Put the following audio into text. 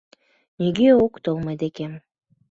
Нигӧ ок тол мый декем